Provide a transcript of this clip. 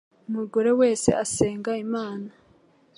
Umugore wese asenga Imana,